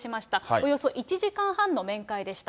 およそ１時間半の面会でした。